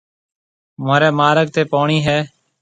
مهوريَ مارگ تي پوڻِي هيَ۔